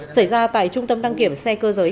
xảy ra tại trung tâm đăng kiểm xe cơ giới